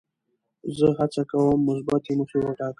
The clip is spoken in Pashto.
زه هڅه کوم مثبتې موخې وټاکم.